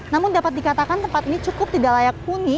namun dapat dikatakan tempat ini cukup tidak layak huni